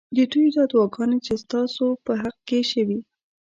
ددوی دا دعاګانې چې ستا سو په حق کي شوي